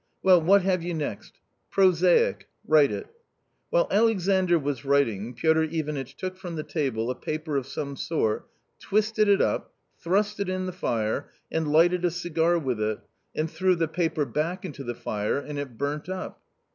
" Well, what have you next ?' Prosaic '— write it" While Alexandr was writing, Piotr Ivanitch took from the table a paper of some sort, twisted it up, thrust it in the fire, and lighted a cigar with it, and threw the paper back into the fire and it burnt up.